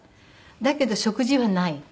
だけど食事はない」。